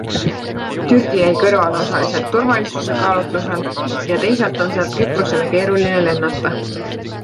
Türgi jäi kõrvale osaliselt turvalisuse kaalutlusel ja teisalt on sealt Küprosele keeruline lennata.